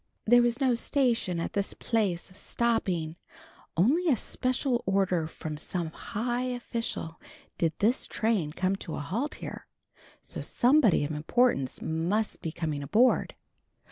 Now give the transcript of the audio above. There was no station at this place of stopping. Only by special order from some high official did this train come to a halt here, so somebody of importance must be coming aboard.